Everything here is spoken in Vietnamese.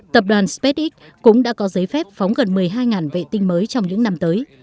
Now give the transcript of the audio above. tập đoàn spacex cũng đã có giấy phép phóng gần một mươi hai vệ tinh mới trong những năm tới